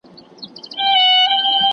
دا ته دې وائي بغـــــــــاوت، نه منــــــم